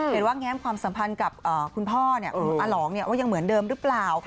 เห็นว่าแง้มความสัมพันธ์กับคุณพ่อคุณอาหลองว่ายังเหมือนเดิมหรือเปล่า